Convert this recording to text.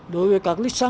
đối với các lịch sử